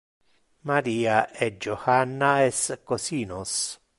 Maria e Johanna es cosinos.